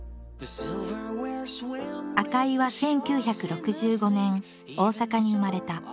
赤井は１９６５年大阪に生まれた。